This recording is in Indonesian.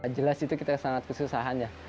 jelas itu kita sangat kesusahan ya